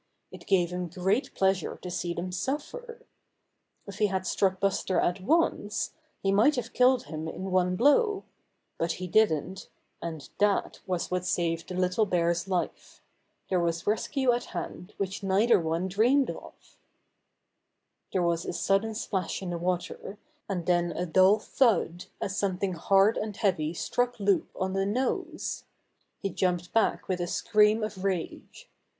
It gave him great pleasure to see them suffer. If he had struck at Buster at once, he might have killed him in one blow; but he didn't, and that was what saved the little bear's life. There was rescue at hand which neither one dreamed of. There was a sudden splash in the water, and then a dull thud as something hard and heavy struck Loup on the nose. He jumped back with a scream of rage.